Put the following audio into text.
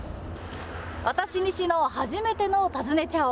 私、西野初めての「たずねちゃお！」